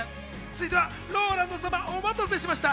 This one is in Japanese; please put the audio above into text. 続いてはＲＯＬＡＮＤ様、お待たせしました。